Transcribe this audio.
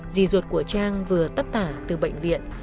dì ruột của trang vừa tất tả từ bệnh viện